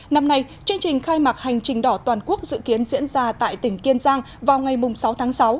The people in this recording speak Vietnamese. năm nay chương trình khai mạc hành trình đỏ toàn quốc dự kiến diễn ra tại tỉnh kiên giang vào ngày sáu tháng sáu